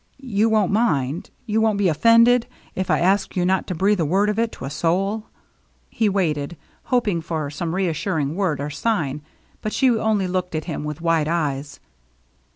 You won't mind — you won't be ofFended — if I ask you not to breathe a word of it to a soul ?" He waited, hoping for some reassuring word or sign, but she only looked at him with wide eyes.